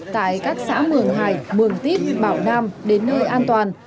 tại các xã mường hải mường tiếp bảo nam đến nơi an toàn